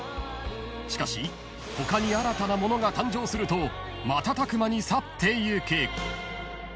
［しかし他に新たなものが誕生すると瞬く間に去ってゆく］